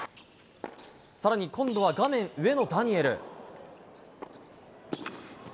更に今度は、画面上のダニエル。